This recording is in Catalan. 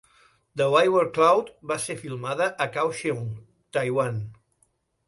"The Wayward Cloud" va ser filmada a Kaohsiung, Taiwan.